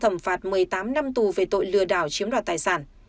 tám năm tù về tội lừa đảo chiếm đoạt tài sản